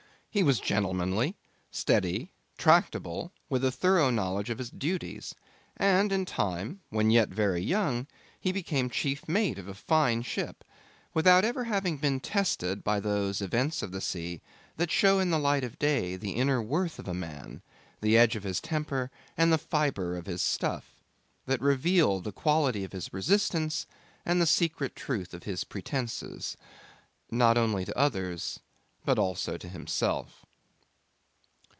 He was gentlemanly, steady, tractable, with a thorough knowledge of his duties; and in time, when yet very young, he became chief mate of a fine ship, without ever having been tested by those events of the sea that show in the light of day the inner worth of a man, the edge of his temper, and the fibre of his stuff; that reveal the quality of his resistance and the secret truth of his pretences, not only to others but also to himself.